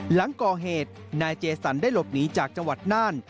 หลังก่อเหตุนายเจสันได้หลบหนีจากจังหวัดน่าน